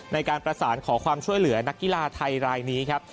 ในการประสานขอความช่วยเหลือนักกีฬาไทยรายนี้ครับ